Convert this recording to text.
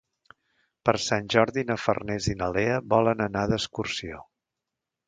Per Sant Jordi na Farners i na Lea volen anar d'excursió.